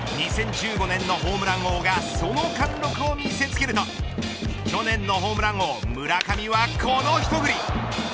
２０１５年のホームラン王がその貫禄を見せつけると去年のホームラン王村上はこの一振り。